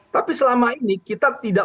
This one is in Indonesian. tapi selama ini kita tidak